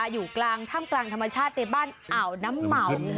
อยู่ท่ามกลางธรรมชาติในบ้านอ่าน้ำเหมา